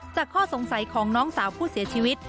ข้อสงสัยของน้องสาวผู้เสียชีวิต